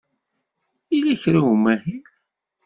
Yella kra n umahil?